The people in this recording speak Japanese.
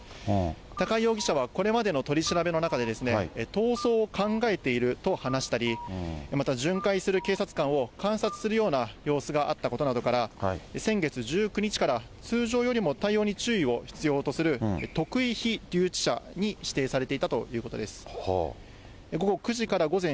高井容疑者はこれまでの取り調べの中で、逃走を考えていると話したり、また巡回する警察官を観察するような様子があったことなどから、先月１９日から通常よりも対応に注意を必要とする特異ひ留置者に指定されていたということです。